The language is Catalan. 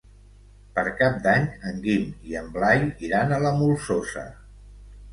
Per Cap d'Any en Guim i en Blai iran a la Molsosa.